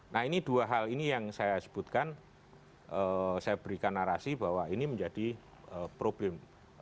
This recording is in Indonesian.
nah ini dua hal ini yang saya sebutkan saya berikan narasi bahwa ini menjadi problem